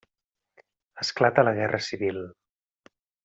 Esclata la Guerra Civil.